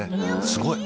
すごい。